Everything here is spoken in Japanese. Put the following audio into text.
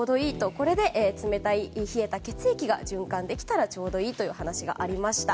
これで冷たい、冷えた血液が循環できたらちょうどいいという話がありました。